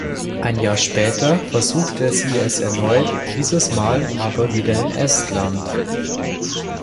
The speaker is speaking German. Ein Jahr später versuchte sie es erneut, dieses Mal aber wieder in Estland.